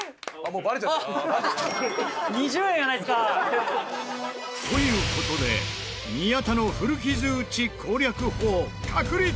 ２０円やないですか。という事で宮田の古傷打ち攻略法確立。